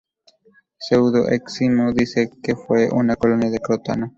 Pseudo-Escimno dice que fue una colonia de Crotona.